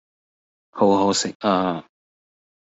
好可惜呀